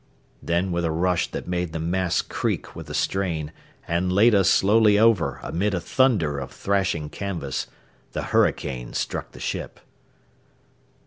Then, with a rush that made the mast creak with the strain and laid us slowly over amid a thunder of thrashing canvas, the hurricane struck the ship.